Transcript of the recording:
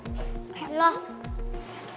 tante dewi sama abi mau kemana